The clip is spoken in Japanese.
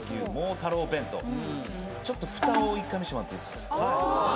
太郎弁当ちょっとフタを一回見してもらっていいっすか？